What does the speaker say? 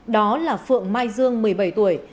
đó là phượng mai dương một mươi bảy tuổi